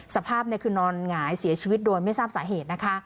สภาพคือนอนหงายเสียชีวิตโดยไม่ทราบสาเหตุนะคะ